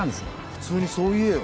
普通にそう言えよ。